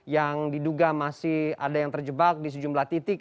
yang diduga masih ada yang terjebak di sejumlah titik